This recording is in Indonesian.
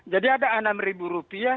jadi ada enam ribu rupiah